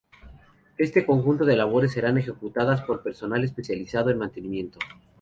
Este conjunto de labores serán ejecutadas por personal especializado en mantenimiento.